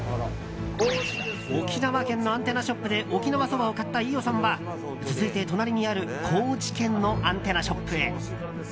沖縄県のアンテナショップで沖縄そばを買った飯尾さんは続いて、隣にある高知県のアンテナショップへ。